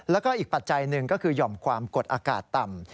แล้วก็อีกปัจจัยหนึ่งก็คือหย่อมความกดอากาศต่ำ